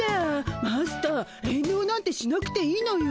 マスター遠慮なんてしなくていいのよ。